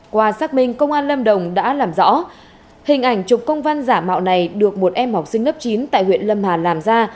qua xác minh công an lâm đồng đã làm rõ hình ảnh chục công văn giả mạo này được một em học sinh lớp chín tại huyện lâm hà làm ra